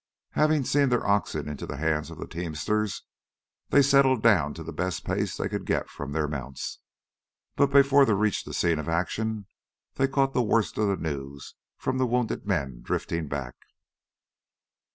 Having seen their oxen into the hands of the teamsters, they settled down to the best pace they could get from their mounts. But before they reached the scene of action they caught the worst of the news from the wounded men drifting back.